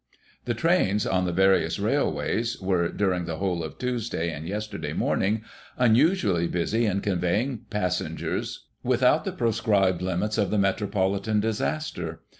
The trains on the various railways were, dur ing the whole of Tuesday and yesterday morning, unusually busy in conveying passengers without the proscribed limits of the Metropolitan disaster.